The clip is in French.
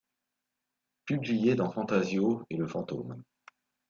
Publié dans Fantasio et le fantôme.